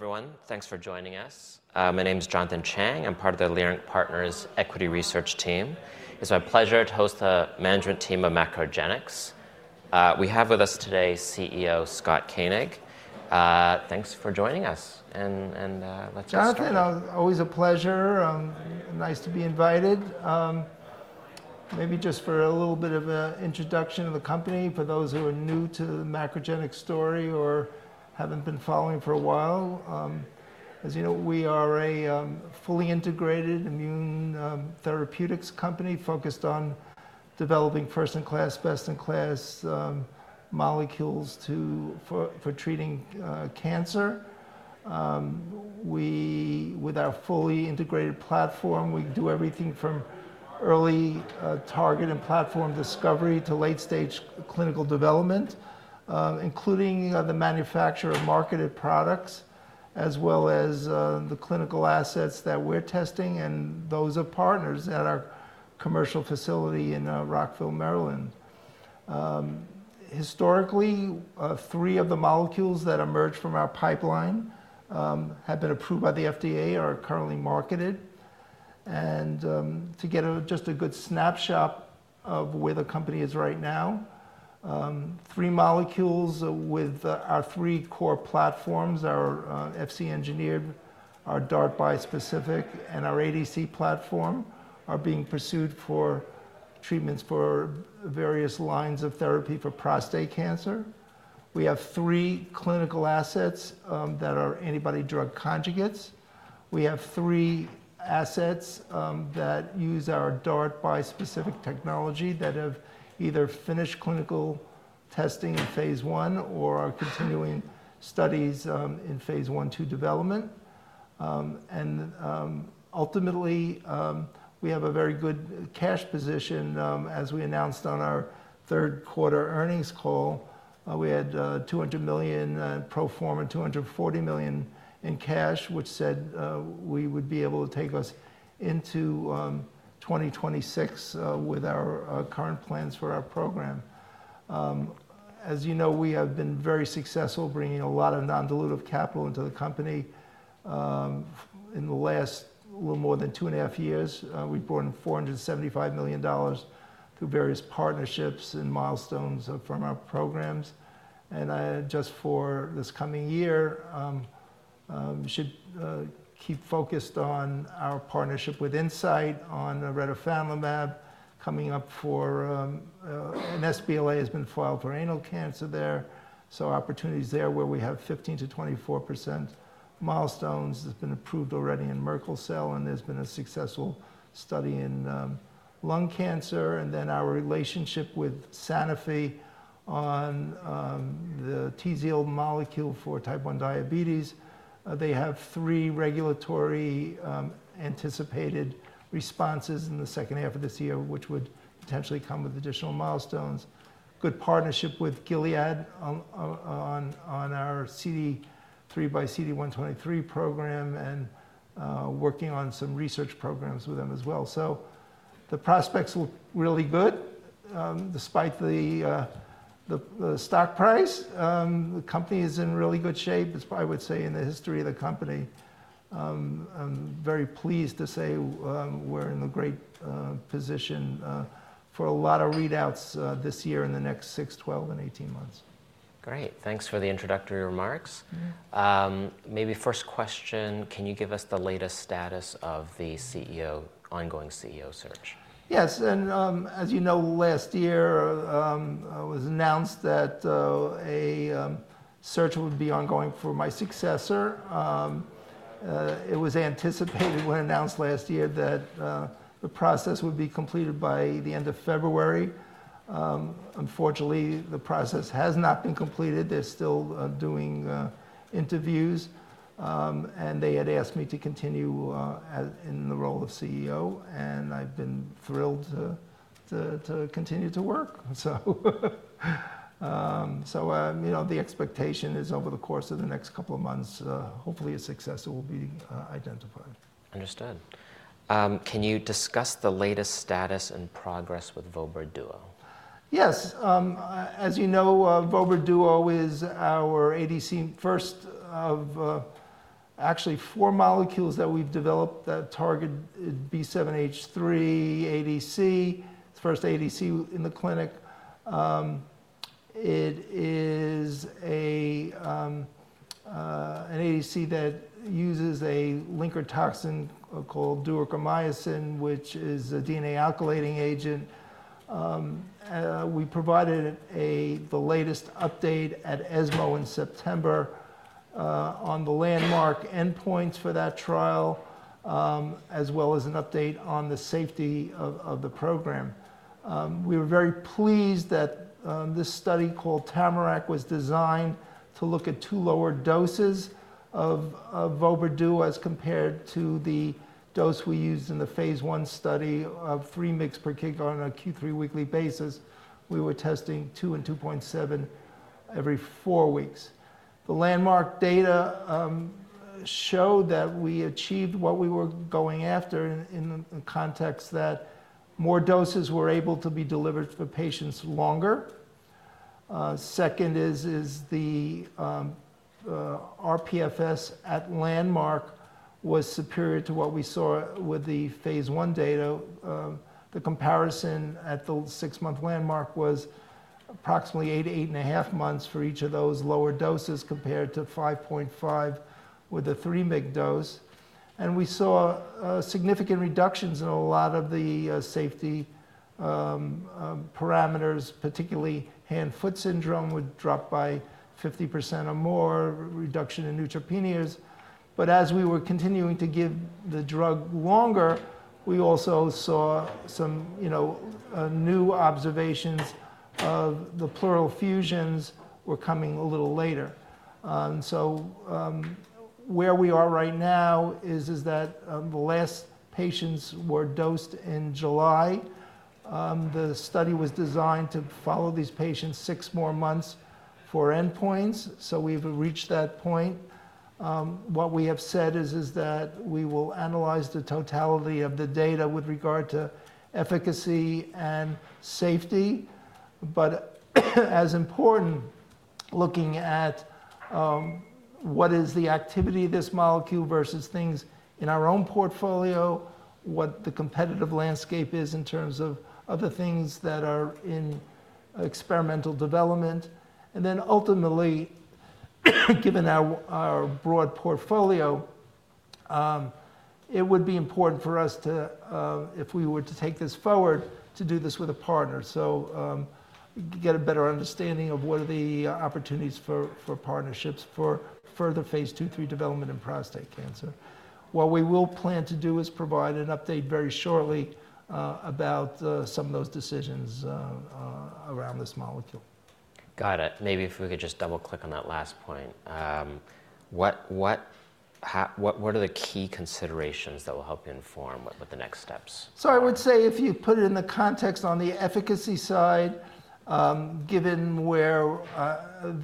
Everyone, thanks for joining us. My name is Jonathan Chang. I'm part of the Leerink Partners' equity research team. It's my pleasure to host the management team of MacroGenics. We have with us today CEO Scott Koenig. Thanks for joining us. Let's get started. Jonathan, always a pleasure. Nice to be invited. Maybe just for a little bit of an introduction of the company for those who are new to the MacroGenics story or have not been following for a while. As you know, we are a fully integrated immune therapeutics company focused on developing first-in-class, best-in-class molecules for treating cancer. With our fully integrated platform, we do everything from early target and platform discovery to late-stage clinical development, including the manufacture of marketed products, as well as the clinical assets that we are testing and those of partners at our commercial facility in Rockville, Maryland. Historically, three of the molecules that emerged from our pipeline have been approved by the FDA or are currently marketed. To get just a good snapshot of where the company is right now, three molecules with our three core platforms are Fc-engineered, our DART bispecific, and our ADC platform are being pursued for treatments for various lines of therapy for prostate cancer. We have three clinical assets that are antibody-drug conjugates. We have three assets that use our DART bispecific technology that have either finished clinical testing in phase I or are continuing studies in phase I to development. Ultimately, we have a very good cash position. As we announced on our third quarter earnings call, we had $200 million pro forma and $240 million in cash, which we said would be able to take us into 2026 with our current plans for our program. As you know, we have been very successful bringing a lot of non-dilutive capital into the company. In the last little more than two and a half years, we've borne $475 million through various partnerships and milestones from our programs. Just for this coming year, we should keep focused on our partnership with Incyte on the retifanlimab coming up for an sBLA has been filed for anal cancer there. Opportunities there where we have 15%-24% milestones. It's been approved already in Merkel cell, and there's been a successful study in lung cancer. Our relationship with Sanofi on the Tzield molecule for Type 1 diabetes. They have three regulatory anticipated responses in the second half of this year, which would potentially come with additional milestones. Good partnership with Gilead on our CD3 x CD123 program and working on some research programs with them as well. The prospects look really good despite the stock price. The company is in really good shape. It's, I would say, in the history of the company. I'm very pleased to say we're in a great position for a lot of readouts this year and the next six, 12, and 18 months. Great. Thanks for the introductory remarks. Maybe first question, can you give us the latest status of the ongoing CEO search? Yes. As you know, last year it was announced that a search would be ongoing for my successor. It was anticipated when announced last year that the process would be completed by the end of February. Unfortunately, the process has not been completed. They are still doing interviews, and they had asked me to continue in the role of CEO, and I have been thrilled to continue to work. The expectation is over the course of the next couple of months, hopefully a successor will be identified. Understood. Can you discuss the latest status and progress with Vobra duo? Yes. As you know, Vobra duo is our ADC, first of actually four molecules that we've developed that target B7-H3 ADC, the first ADC in the clinic. It is an ADC that uses a linker toxin called duocarmycin, which is a DNA alkylating agent. We provided the latest update at ESMO in September on the landmark endpoints for that trial, as well as an update on the safety of the program. We were very pleased that this study called TAMARACK was designed to look at two lower doses of Vobra duo as compared to the dose we used in the phase I study of 3 mg per kg on a Q3 weekly basis. We were testing 2 and 2.7 every four weeks. The landmark data showed that we achieved what we were going after in the context that more doses were able to be delivered for patients longer. Second is the rPFS at landmark was superior to what we saw with the phase I data. The comparison at the six-month landmark was approximately eight, eight and a half months for each of those lower doses compared to 5.5 with a 3 mg dose. We saw significant reductions in a lot of the safety parameters, particularly hand-foot syndrome would drop by 50% or more, reduction in neutropenias. As we were continuing to give the drug longer, we also saw some new observations of the pleural effusions were coming a little later. Where we are right now is that the last patients were dosed in July. The study was designed to follow these patients six more months for endpoints. We have reached that point. What we have said is that we will analyze the totality of the data with regard to efficacy and safety. As important, looking at what is the activity of this molecule versus things in our own portfolio, what the competitive landscape is in terms of other things that are in experimental development. Ultimately, given our broad portfolio, it would be important for us to, if we were to take this forward, to do this with a partner. Get a better understanding of what are the opportunities for partnerships for further phase II through development in prostate cancer. What we will plan to do is provide an update very shortly about some of those decisions around this molecule. Got it. Maybe if we could just double-click on that last point. What are the key considerations that will help you inform what the next steps? I would say if you put it in the context on the efficacy side, given where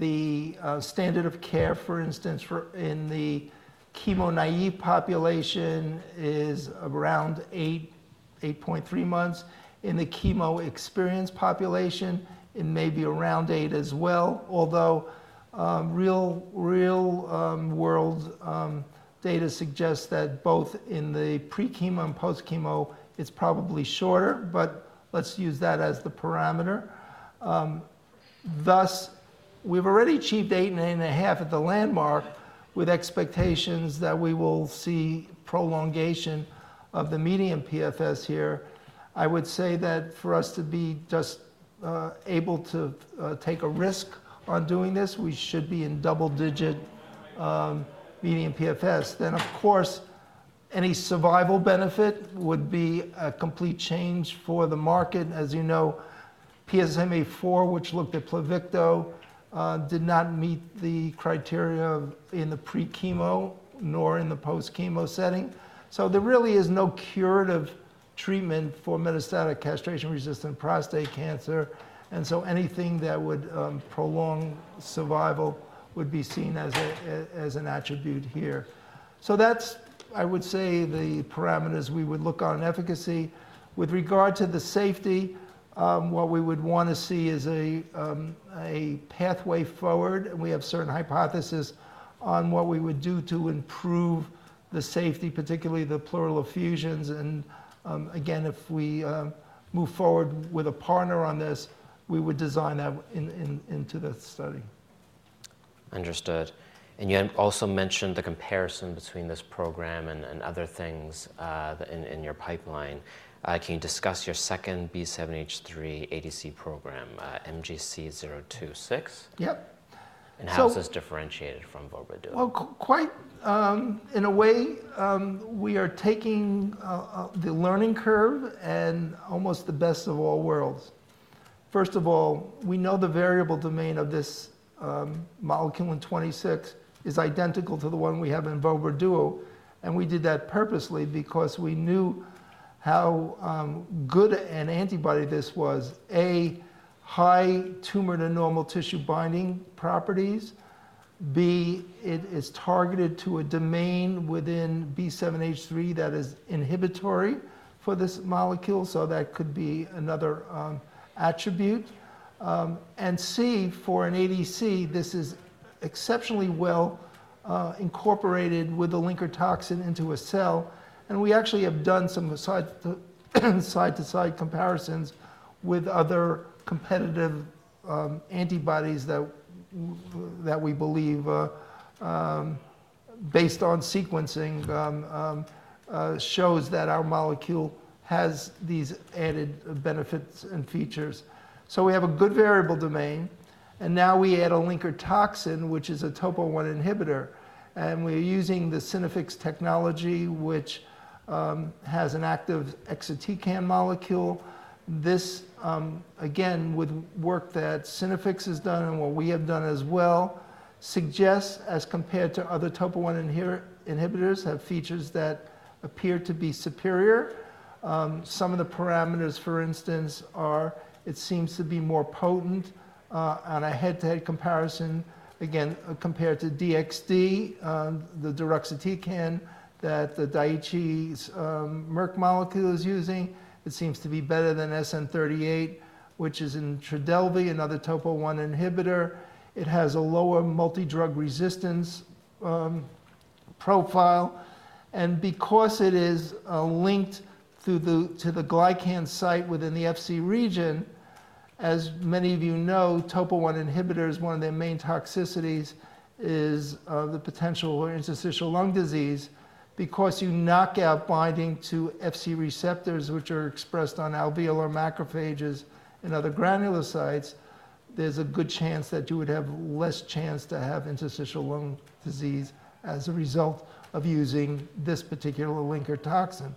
the standard of care, for instance, in the chemo-naive population is around eight, 8.3 months. In the chemo-experienced population, it may be around eight as well. Although real-world data suggests that both in the pre-chemo and post-chemo, it's probably shorter, but let's use that as the parameter. Thus, we've already achieved eight and eight and a half at the landmark with expectations that we will see prolongation of the median PFS here. I would say that for us to be just able to take a risk on doing this, we should be in double-digit median PFS. Of course, any survival benefit would be a complete change for the market. As you know, PSMAfore, which looked at Pluvicto, did not meet the criteria in the pre-chemo nor in the post-chemo setting. There really is no curative treatment for metastatic castration-resistant prostate cancer. Anything that would prolong survival would be seen as an attribute here. That is, I would say, the parameters we would look on efficacy. With regard to the safety, what we would want to see is a pathway forward. We have certain hypotheses on what we would do to improve the safety, particularly the pleural effusions. Again, if we move forward with a partner on this, we would design that into the study. Understood. You also mentioned the comparison between this program and other things in your pipeline. Can you discuss your second B7-H3 ADC program, MGC026? Yep. How is this differentiated from Vobra duo? Quite in a way, we are taking the learning curve and almost the best of all worlds. First of all, we know the variable domain of this molecule in 26 is identical to the one we have in Vobra duo. We did that purposely because we knew how good an antibody this was. A, high tumor to normal tissue binding properties. B, it is targeted to a domain within B7-H3 that is inhibitory for this molecule. That could be another attribute. C, for an ADC, this is exceptionally well incorporated with a linker toxin into a cell. We actually have done some side-to-side comparisons with other competitive antibodies that we believe, based on sequencing, shows that our molecule has these added benefits and features. We have a good variable domain. Now we add a linker toxin, which is a Topo I inhibitor. We're using the Synaffix technology, which has an active exatecan molecule. This, again, with work that Synaffix has done and what we have done as well, suggests as compared to other topo I inhibitors, have features that appear to be superior. Some of the parameters, for instance, are it seems to be more potent on a head-to-head comparison. Again, compared to DXd, the deruxtecan that the Daiichi Merck molecule is using, it seems to be better than SN38, which is in Trodelvy, another topo I inhibitor. It has a lower multi-drug resistance profile. Because it is linked to the glycan site within the Fc region, as many of you know, topo I inhibitors, one of their main toxicities is the potential interstitial lung disease. Because you knock out binding to Fc receptors, which are expressed on alveolar macrophages and other granulocytes, there's a good chance that you would have less chance to have interstitial lung disease as a result of using this particular linker toxin.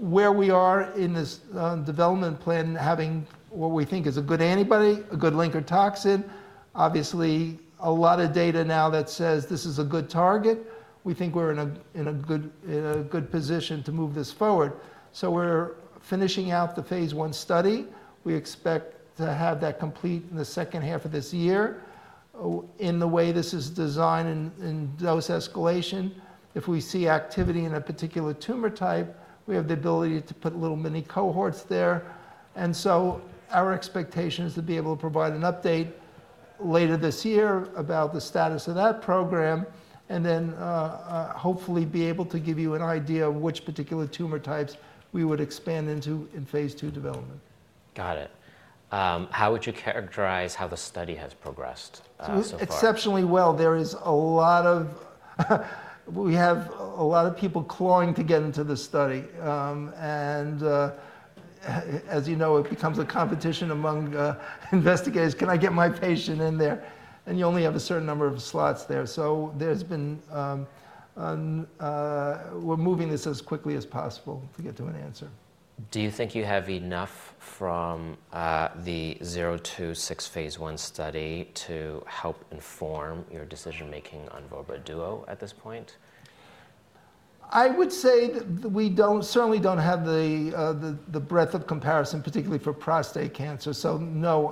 Where we are in this development plan, having what we think is a good antibody, a good linker toxin, obviously a lot of data now that says this is a good target, we think we're in a good position to move this forward. We're finishing out the phase I study. We expect to have that complete in the second half of this year. In the way this is designed in dose escalation, if we see activity in a particular tumor type, we have the ability to put little mini cohorts there. Our expectation is to be able to provide an update later this year about the status of that program and then hopefully be able to give you an idea of which particular tumor types we would expand into in phase II development. Got it. How would you characterize how the study has progressed so far? Exceptionally well. There is a lot of we have a lot of people clawing to get into the study. As you know, it becomes a competition among investigators, can I get my patient in there? You only have a certain number of slots there. There has been we are moving this as quickly as possible to get to an answer. Do you think you have enough from the 026 phase I study to help inform your decision-making on Vobra duo at this point? I would say that we certainly don't have the breadth of comparison, particularly for prostate cancer. No,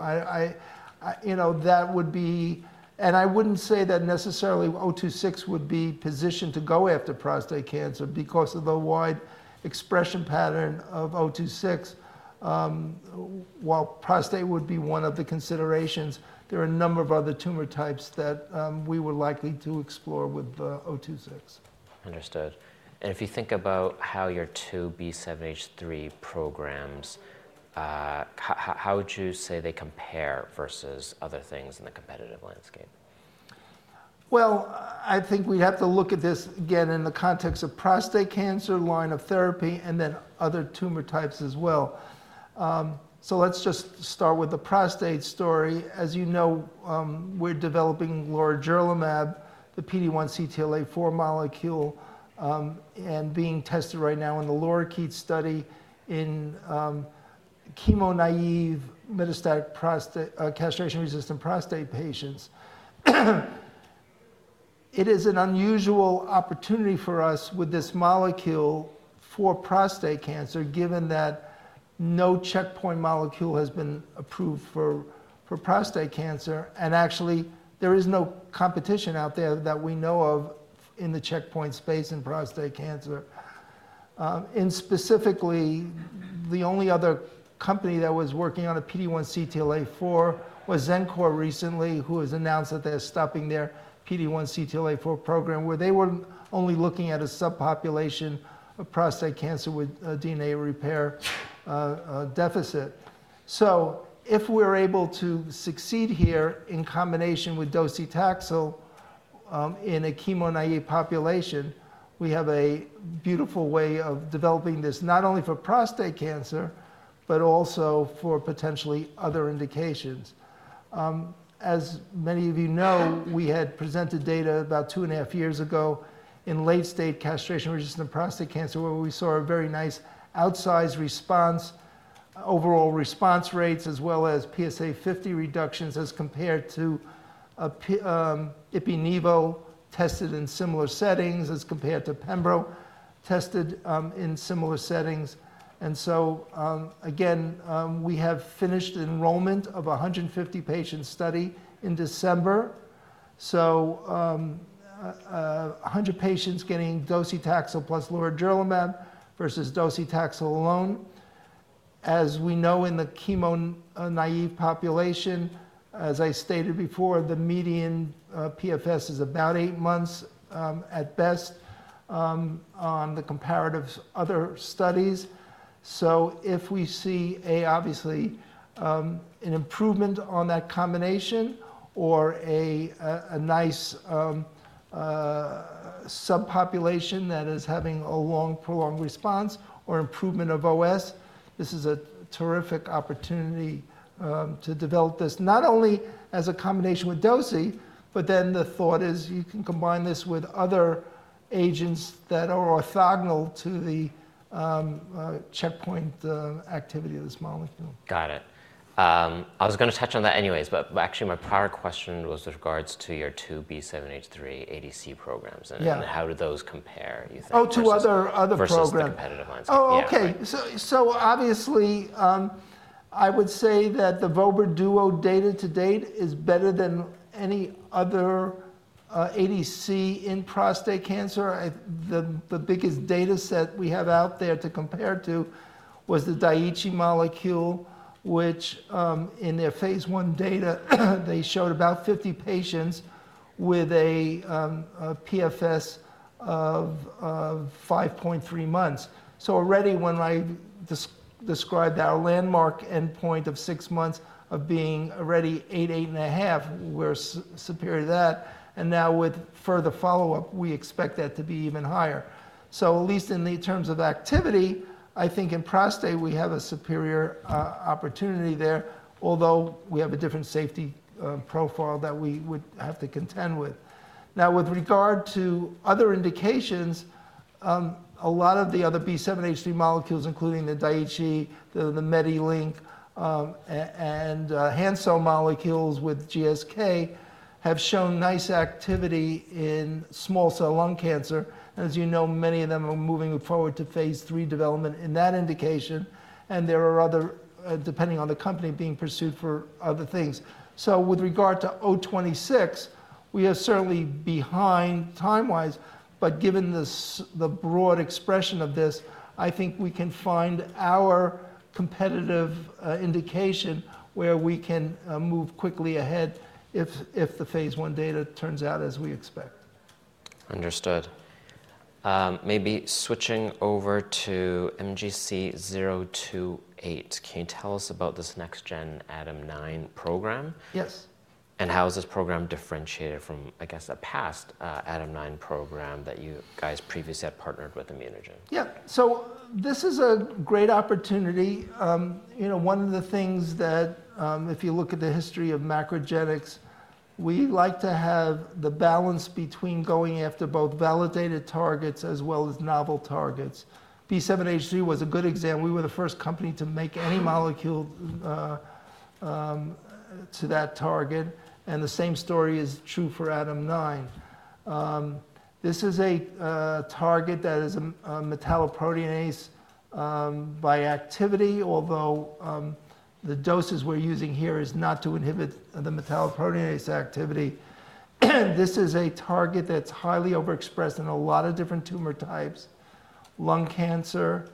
that would be, and I wouldn't say that necessarily 026 would be positioned to go after prostate cancer because of the wide expression pattern of 026. While prostate would be one of the considerations, there are a number of other tumor types that we are likely to explore with 026. Understood. If you think about how your two B7-H3 programs, how would you say they compare versus other things in the competitive landscape? I think we'd have to look at this again in the context of prostate cancer line of therapy and then other tumor types as well. Let's just start with the prostate story. As you know, we're developing lorigerlimab, the PD-1 x CTLA-4 molecule, and being tested right now in the LORIKEET study in chemo-naive metastatic castration-resistant prostate patients. It is an unusual opportunity for us with this molecule for prostate cancer, given that no checkpoint molecule has been approved for prostate cancer. Actually, there is no competition out there that we know of in the checkpoint space in prostate cancer. Specifically, the only other company that was working on a PD-1 x CTLA-4 was Zai Lab recently, who has announced that they're stopping their PD-1 x CTLA-4 program, where they were only looking at a subpopulation of prostate cancer with DNA repair deficit. If we're able to succeed here in combination with docetaxel in a chemo-naive population, we have a beautiful way of developing this not only for prostate cancer, but also for potentially other indications. As many of you know, we had presented data about two and a half years ago in late-stage castration-resistant prostate cancer, where we saw a very nice outsized response, overall response rates, as well as PSA 50 reductions as compared to Ipinivo tested in similar settings as compared to Pembro tested in similar settings. Again, we have finished enrollment of 150 patients' study in December. One hundred patients getting docetaxel plus lorigerlimab versus docetaxel alone. As we know in the chemo-naive population, as I stated before, the median PFS is about eight months at best on the comparative other studies. If we see obviously an improvement on that combination or a nice subpopulation that is having a long prolonged response or improvement of OS, this is a terrific opportunity to develop this not only as a combination with docetaxel, but then the thought is you can combine this with other agents that are orthogonal to the checkpoint activity of this molecule. Got it. I was going to touch on that anyways, but actually my prior question was with regards to your two B7-H3 ADC programs. And how do those compare? Oh, to other programs. Versus the competitive ones. Oh, okay. Obviously, I would say that the Vobra duo data to date is better than any other ADC in prostate cancer. The biggest data set we have out there to compare to was the Daiichi molecule, which in their phase I data, they showed about 50 patients with a PFS of 5.3 months. Already when I described our landmark endpoint of six months of being already eight, eight and a half, we're superior to that. Now with further follow-up, we expect that to be even higher. At least in the terms of activity, I think in prostate we have a superior opportunity there, although we have a different safety profile that we would have to contend with. Now with regard to other indications, a lot of the other B7-H3 molecules, including the Daiichi, the MediLink, and Hansoh molecules with GSK, have shown nice activity in small cell lung cancer. As you know, many of them are moving forward to phase III development in that indication. There are other, depending on the company, being pursued for other things. With regard to 026, we are certainly behind time-wise, but given the broad expression of this, I think we can find our competitive indication where we can move quickly ahead if the phase I data turns out as we expect. Understood. Maybe switching over to MGC028, can you tell us about this next-gen ADAM9 program? Yes. How is this program differentiated from, I guess, a past ADAM9 program that you guys previously had partnered with ImmunoGen? Yeah. This is a great opportunity. One of the things that if you look at the history of MacroGenics, we like to have the balance between going after both validated targets as well as novel targets. B7-H3 was a good example. We were the first company to make any molecule to that target. The same story is true for ADAM9. This is a target that is a metalloproteinase by activity, although the doses we're using here is not to inhibit the metalloproteinase activity. This is a target that's highly overexpressed in a lot of different tumor types, lung cancer,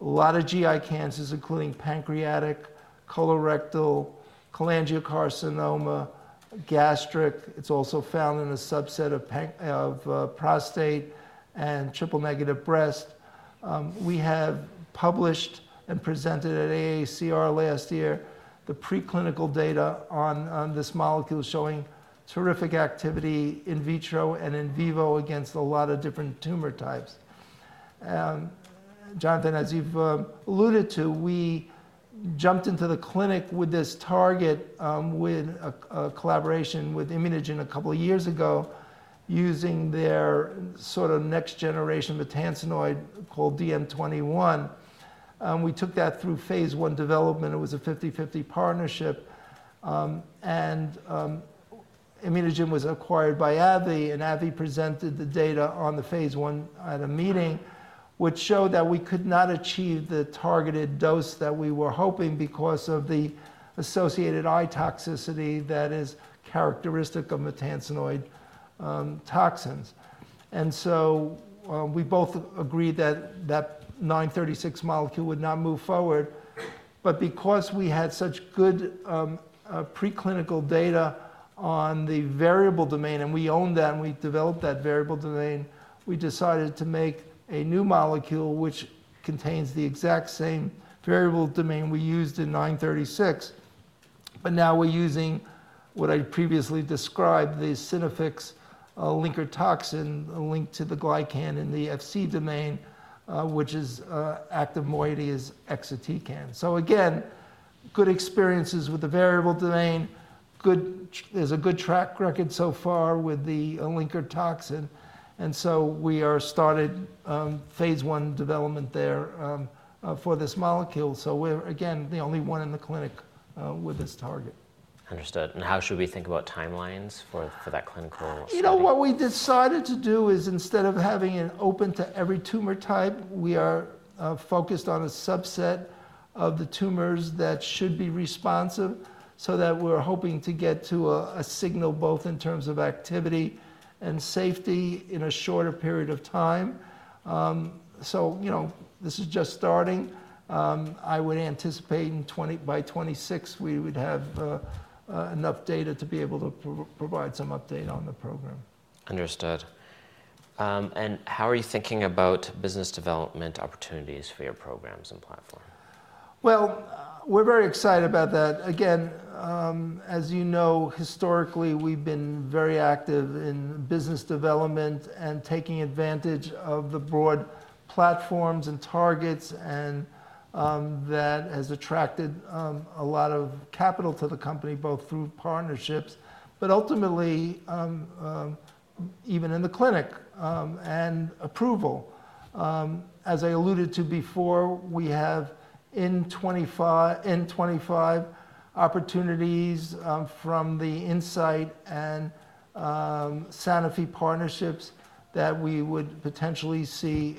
a lot of GI cancers, including pancreatic, colorectal, cholangiocarcinoma, gastric. It's also found in a subset of prostate and triple negative breast. We have published and presented at AACR last year the preclinical data on this molecule showing terrific activity in vitro and in vivo against a lot of different tumor types. Jonathan, as you've alluded to, we jumped into the clinic with this target with a collaboration with ImmunoGen a couple of years ago using their sort of next generation maytansinoid called DM21. We took that through phase I development. It was a 50-50 partnership. ImmunoGen was acquired by AbbVie. AbbVie presented the data on the phase I at a meeting, which showed that we could not achieve the targeted dose that we were hoping because of the associated eye toxicity that is characteristic of maytansinoid toxins. We both agreed that that 936 molecule would not move forward. Because we had such good preclinical data on the variable domain, and we owned that, and we developed that variable domain, we decided to make a new molecule, which contains the exact same variable domain we used in 936. Now we're using what I previously described, the Synaffix linker toxin linked to the glycan in the FC domain, which is active moiety is exatecan. Again, good experiences with the variable domain. There's a good track record so far with the linker toxin. We are started phase I development there for this molecule. We're again the only one in the clinic with this target. Understood. How should we think about timelines for that clinical? You know what we decided to do is instead of having it open to every tumor type, we are focused on a subset of the tumors that should be responsive so that we're hoping to get to a signal both in terms of activity and safety in a shorter period of time. This is just starting. I would anticipate by 2026 we would have enough data to be able to provide some update on the program. Understood. How are you thinking about business development opportunities for your programs and platform? We're very excited about that. Again, as you know, historically we've been very active in business development and taking advantage of the broad platforms and targets and that has attracted a lot of capital to the company both through partnerships, but ultimately even in the clinic and approval. As I alluded to before, we have in 2025 opportunities from the Incyte and Sanofi partnerships that we would potentially see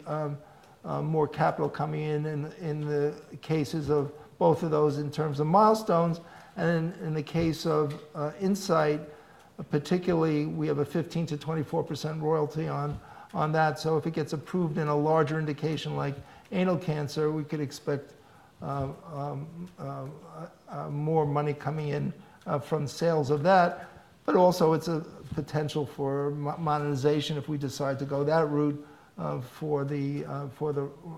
more capital coming in in the cases of both of those in terms of milestones. In the case of Incyte, particularly we have a 15%-24% royalty on that. If it gets approved in a larger indication like anal cancer, we could expect more money coming in from sales of that. Also, it's a potential for monetization if we decide to go that route for the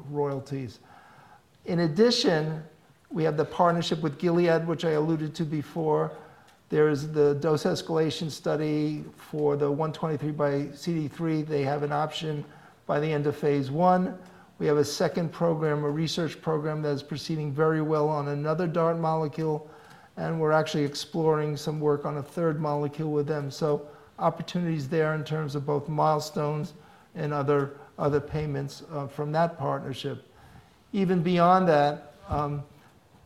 royalties. In addition, we have the partnership with Gilead, which I alluded to before. There is the dose escalation study for the 123 x CD3. They have an option by the end of phase I. We have a second program, a research program that is proceeding very well on another DART molecule. We are actually exploring some work on a third molecule with them. Opportunities are there in terms of both milestones and other payments from that partnership. Even beyond that,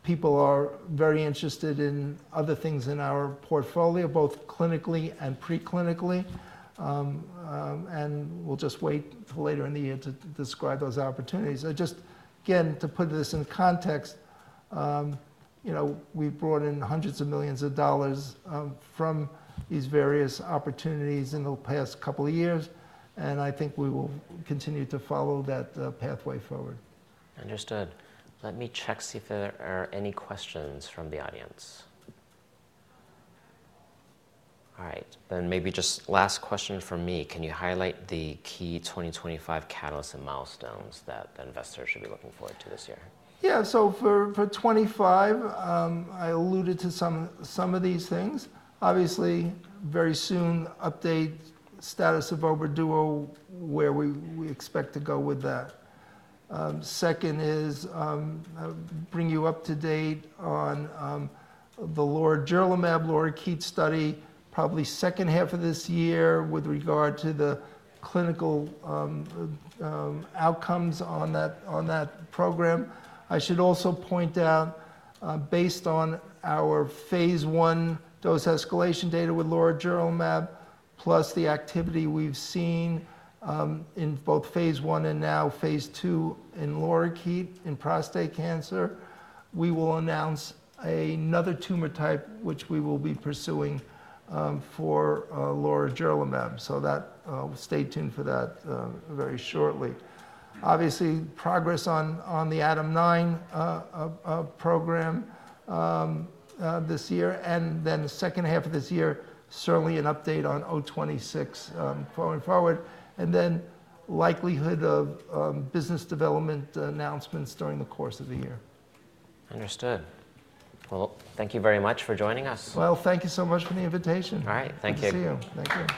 people are very interested in other things in our portfolio, both clinically and preclinically. We will just wait for later in the year to describe those opportunities. Just again, to put this in context, we have brought in hundreds of millions of dollars from these various opportunities in the past couple of years. I think we will continue to follow that pathway forward. Understood. Let me check to see if there are any questions from the audience. All right. Maybe just last question for me. Can you highlight the key 2025 catalysts and milestones that the investors should be looking forward to this year? Yeah. For 2025, I alluded to some of these things. Obviously, very soon update status of Vobra duo, where we expect to go with that. Second is bring you up to date on the lorigerlimab, LORIKEET study, probably second half of this year with regard to the clinical outcomes on that program. I should also point out, based on our phase I dose escalation data with lorigerlimab, plus the activity we've seen in both phase I and now phase II in LORIKEET in prostate cancer, we will announce another tumor type, which we will be pursuing for lorigerlimab. Stay tuned for that very shortly. Obviously, progress on the ADAM9 program this year. Second half of this year, certainly an update on MGC026 going forward. Likelihood of business development announcements during the course of the year. Understood. Thank you very much for joining us. Thank you so much for the invitation. All right. Thank you. Good to see you. Thank you.